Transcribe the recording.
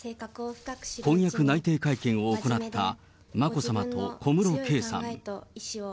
婚約内定会見を行った眞子さまと小室圭さん。